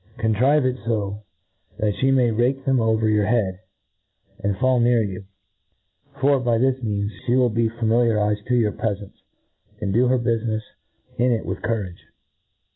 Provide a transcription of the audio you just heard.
(Contrive it fo, that fhe may rake them over your head, and fall near you ; for^ by this means, fhe will be familiarjfed to your pre ? fence, and do her bufinefs in it with courage.